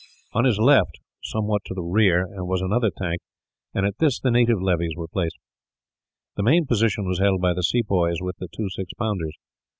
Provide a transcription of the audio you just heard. On his left, somewhat to the rear, was another tank, and at this the native levies were placed. The main position was held by the sepoys, with the two six pounders.